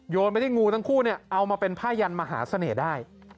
ไปที่งูทั้งคู่เนี่ยเอามาเป็นผ้ายันมหาเสน่ห์ได้